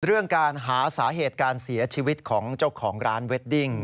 เรื่องการหาสาเหตุการเสียชีวิตของเจ้าของร้านเวดดิ้ง